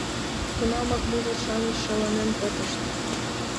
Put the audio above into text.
Тунамак мужыр-шамыч шаланен пытышт.